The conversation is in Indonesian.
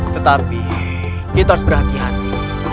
tetapi kita harus berhati hati